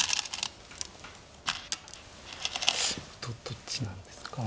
どっちなんですか？